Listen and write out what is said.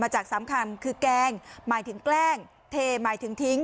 มาจาก๓คำคือแกงหมายถึงแกล้งเทหมายถึงทิ้ง